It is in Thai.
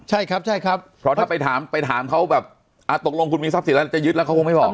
ใช่ครับใช่ครับเพราะถ้าไปถามไปถามเขาแบบตกลงคุณมีทรัพย์สินแล้วจะยึดแล้วเขาคงไม่บอก